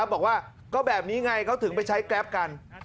บอกว่าก็แบบนี้ไงเขาถึงไปใช้แกรปกัน